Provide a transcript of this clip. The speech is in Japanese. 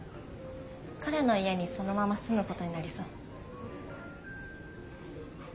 彼の家にそのまま住むことになりそう。